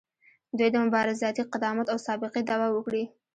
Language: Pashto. دوی د مبارزاتي قدامت او سابقې دعوه وکړي.